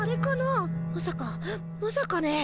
まさかまさかね。